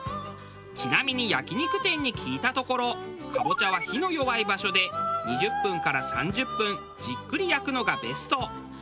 ちなみに焼肉店に聞いたところカボチャは火の弱い場所で２０分から３０分じっくり焼くのがベスト。